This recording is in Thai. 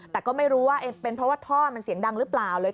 แต่ก็ไม่รู้ว่าเป็นเพราะว่าท่อมันเสียงดังหรือเปล่าเลย